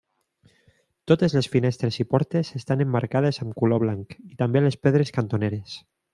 Totes les finestres i portes estan emmarcades amb color blanc i també les pedres cantoneres.